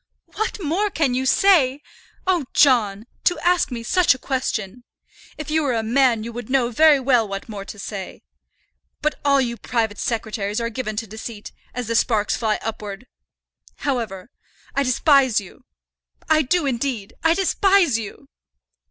"What more can you say? Oh, John! to ask me such a question! If you were a man you would know very well what more to say. But all you private secretaries are given to deceit, as the sparks fly upwards. However, I despise you, I do, indeed. I despise you."